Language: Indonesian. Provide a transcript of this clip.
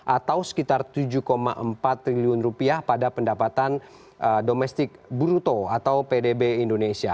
atau sekitar tujuh empat triliun rupiah pada pendapatan domestik bruto atau pdb indonesia